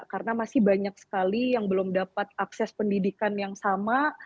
karena masih banyak sekali yang belum dapat akses pendidikan yang sama